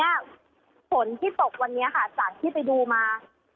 ฝนที่ตกวันนี้ค่ะจากที่ไปดูมา